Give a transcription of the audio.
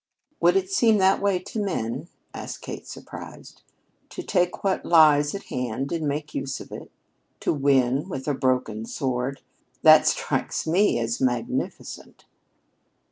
"Would it seem that way to men?" asked Kate, surprised. "To take what lies at hand and make use of it to win with a broken sword that strikes me as magnificent."